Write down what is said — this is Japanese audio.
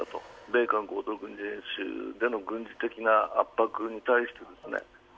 米韓合同軍事演習での軍事的な圧迫に対してですよね